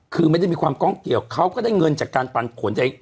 คือไม่ได้มีความกล้องเกี่ยวเขาก็ได้เงินจากการปันผล